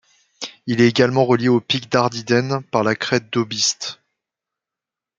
Il est également relié au pic d'Ardiden par la crête d'Aubiste.